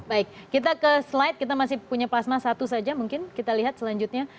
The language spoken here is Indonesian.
baik kita ke slide kita masih punya plasma satu saja mungkin kita lihat selanjutnya